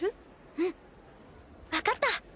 うん分かった。